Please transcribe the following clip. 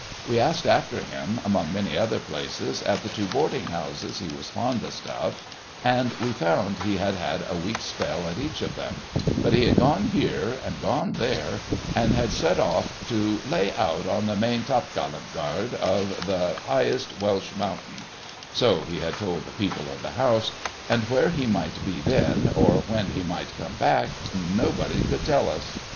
We asked after him, among many other places, at the two boarding houses he was fondest of, and we found he had had a week's spell at each of them ; but, he had gone here and gone there, and had set off ' to lay out on the main to'gallant yard of the highest Welsh mountain ' (so he had told the people of the house), and where he might be then, or when he might come back, nobody could tell us.